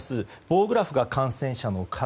棒グラフが感染者の数。